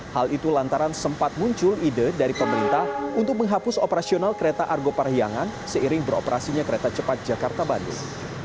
hal itu lantaran sempat muncul ide dari pemerintah untuk menghapus operasional kereta argo parahiangan seiring beroperasinya kereta cepat jakarta bandung